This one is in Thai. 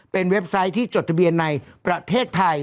เป็นเว็บไซต์ที่จดทะเบียนในประเทศไทย